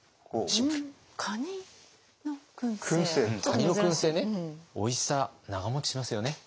カニのくんせいねおいしさ長持ちしますよね。